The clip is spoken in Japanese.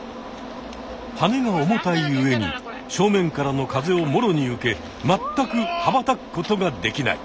はねが重たい上に正面からの風をもろに受け全くはばたくことができない。